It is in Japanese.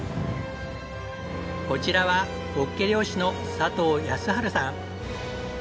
こちらはホッケ漁師の佐藤靖治さん。